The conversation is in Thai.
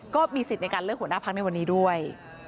ก็มีสิทธิ์ในการเลือกหัวหน้าพักในวันนี้ด้วย